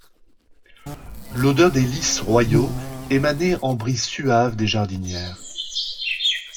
L'odeur des lys royaux émanait en brises suaves des jardinières.